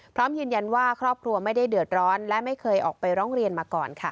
พร้อมยืนยันว่าครอบครัวไม่ได้เดือดร้อนและไม่เคยออกไปร้องเรียนมาก่อนค่ะ